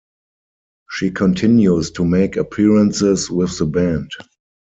She continues to make appearances with the band.